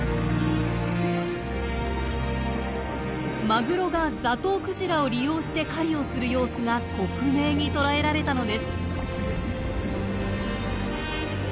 マグロがザトウクジラを利用して狩りをする様子が克明に捉えられたのです。